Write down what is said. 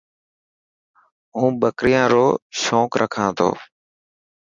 مون ٻڪريان رو شونق رکا تو.